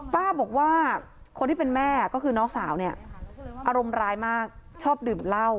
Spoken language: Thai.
ป้าบอกว่าคนที่เป็นแม่ก็คือน้องสาวเนี่ยอารมณ์ร้ายมากชอบดื่มเหล้า